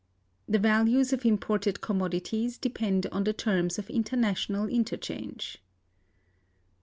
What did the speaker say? The values of imported commodities depend on the Terms of international interchange.